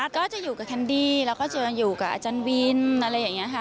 ก็จะอยู่กับแคนดี้แล้วก็จะอยู่กับอาจารย์วินอะไรอย่างนี้ค่ะ